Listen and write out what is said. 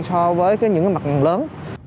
so với những mặt năng lớn